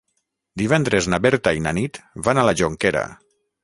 Divendres na Berta i na Nit van a la Jonquera.